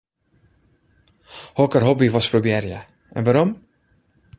Hokker hobby wolst probearje en wêrom?